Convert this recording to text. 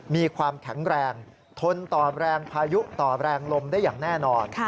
มีความแข็งแรงทนต่อแรงพายุต่อแรงลมได้อย่างแน่นอน